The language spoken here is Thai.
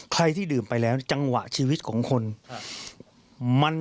ใครที่ดื่มไปแล้วจังหวะชีวิตของคนมัน